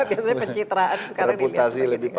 biasanya pencitraan sekarang ini